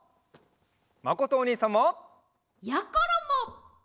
まことおにいさんも！やころも！